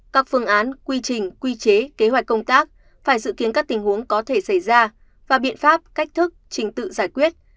các phương án quy trình quy chế kế hoạch công tác phải dự kiến các tình huống có thể xảy ra và biện pháp cách thức trình tự giải quyết